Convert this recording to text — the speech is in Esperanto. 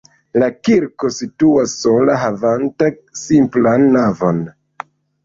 La kirko situas sola havanta simplan navon.